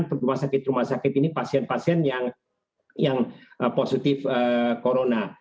untuk rumah sakit rumah sakit ini pasien pasien yang positif corona